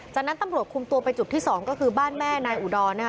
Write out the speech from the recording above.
จากนั้นตำรวจคุมตัวไปจุดที่๒ก็คือบ้านแม่นายอุดรนะคะ